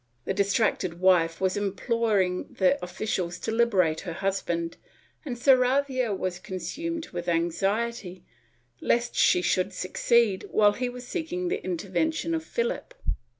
The distracted wife was imploring the officials to liberate her husband and Sarravia was consumed with anxiety lest she should succeed while he was seeking the intervention of Philip.